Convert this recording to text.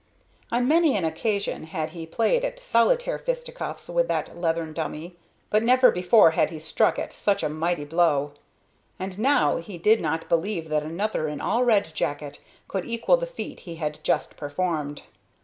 On many an occasion had he played at solitaire fisticuffs with that leathern dummy, but never before had he struck it such a mighty blow, and now he did not believe that another in all Red Jacket could equal the feat he had just performed.